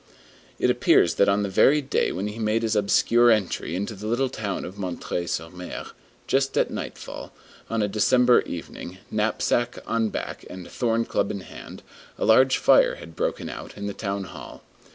It appears that on the very day when he made his obscure entry into the little town of M. sur M., just at nightfall, on a December evening, knapsack on back and thorn club in hand, a large fire had broken out in the town hall.